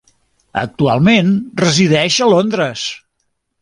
Actualment resideix a Londres.